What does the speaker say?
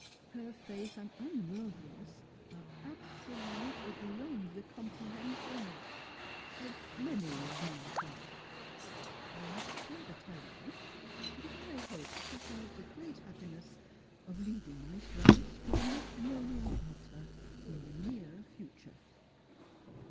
Her faith and unworldlinessare absolutely beyond the comprehension of — of — many of my flock. I must further tell you that I hope to have the great happi 74 Miss Phihiva ness of leading Miss Rice to the matrimonial altar in the near future."